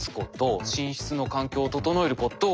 「寝室の環境を整えること」。